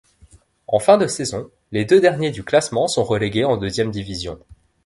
En fin de saison, les deux derniers du classement sont relégués en deuxième division.